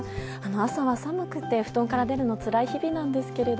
朝は寒くて布団から出るのつらい日々なんですけど。